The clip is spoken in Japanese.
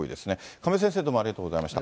亀井先生、どうもありがとうございました。